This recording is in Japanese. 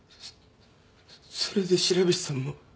それで白菱さんも？